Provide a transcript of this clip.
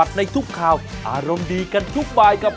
สวัสดีครับ